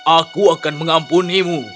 aku akan mengampunimu